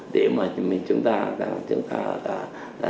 để mà chúng ta